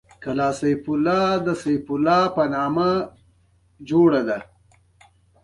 نو ولي خوشحاله شم